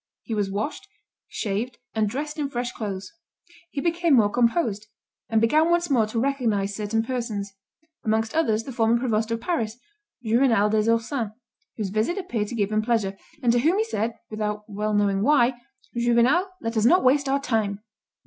He was washed, shaved, and dressed in fresh clothes. He became more composed, and began once more to recognize certain persons, amongst others, the former provost of Paris, Juvenal des Ursins, whose visit appeared to give him pleasure, and to whom he said, without well knowing why, "Juvenal, let us not waste our time."